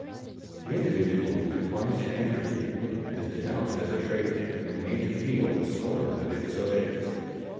The individual who declines to enter the union is denounced as a traitor and made to feel the scorn of his associates.